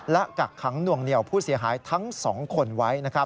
และกักขังหน่วงเหนียวผู้เสียหายทั้ง๒คนไว้